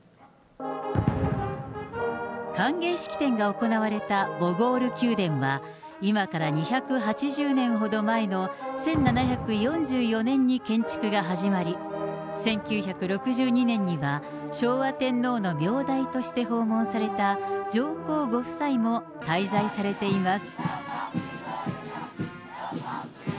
歓迎式典が行われたボゴール宮殿は、今から２８０年ほど前の１７４４年に建築が始まり、１９６２年には昭和天皇の名代として訪問された上皇ご夫妻も滞在されています。